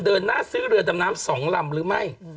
เดินหน้าซื้อเรือดำน้ำ๒ลำหรือไม่